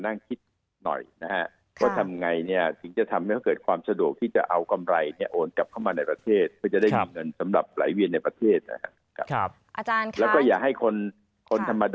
หันไปตั้งนิกขุมสิบบุคคลนอกประเทศอีกแล้วนั้นแหละอันนี้สำคัญครับ